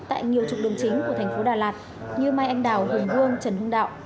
tại nhiều trục đường chính của thành phố đà lạt như mai anh đào hùng vương trần hưng đạo